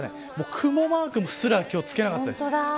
雲マークすら今日は付けなかったです。